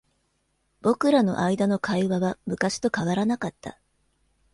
僕らの間の会話は昔と変わらなかった。